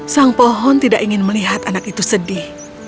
sang pohon tidak ingin melihat anak itu sedih